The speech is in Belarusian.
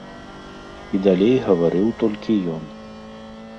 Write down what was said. І далей гаварыў толькі ён.